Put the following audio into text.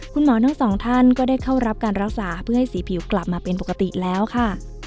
คุณหมอทั้งสองท่านก็ได้เข้ารับการรักษาเพื่อให้สีผิวกลับมาเป็นปกติแล้วค่ะ